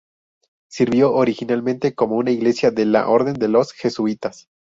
Sirvió originalmente como una iglesia de la orden de los jesuitas.